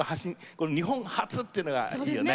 これ日本発っていうのがいいよね。